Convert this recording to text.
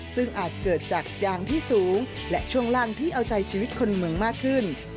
ซึ่งอาจเกิดจากยางที่สูงและช่วงล่างที่เอาใจชีวิตคนเมืองมากขึ้น